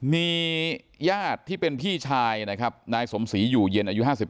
มีญาติที่เป็นพี่ชายนะครับนายสมศรีอยู่เย็นอายุ๕๓